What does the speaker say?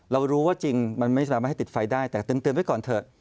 เรารู้ว่าจริงมันไม่สามารถให้ติดไฟได้แต่เตือนไว้ก่อนเถอะ